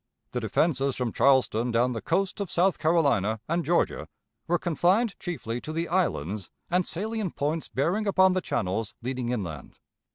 The defenses from Charleston down the coast of South Carolina and Georgia were confined chiefly to the islands and salient points bearing upon the channels leading inland.